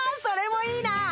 それもいいな！